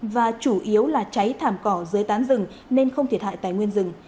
và chủ yếu là cháy thảm cỏ dưới tán rừng nên không thiệt hại tài nguyên rừng